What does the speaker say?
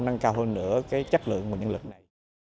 nâng cao hơn nữa cái chất lượng nguồn nhân lực này